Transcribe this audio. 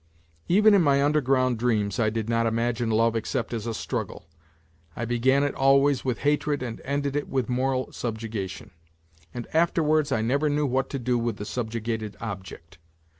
Even in my underground dreams I did not imagine love except as a struggle. I began it always with hatred and ended it with moral subjugation, and afterwards I never knew what to do with the subjugated object.